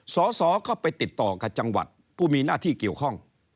สอสอก็ไปติดต่อกับจังหวัดผู้มีหน้าที่เกี่ยวข้อง